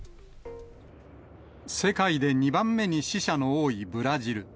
世界で２番目に死者の多いブラジル。